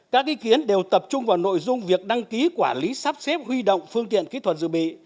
các ý kiến đều tập trung vào nội dung việc đăng ký quản lý sắp xếp huy động phương tiện kỹ thuật dự bị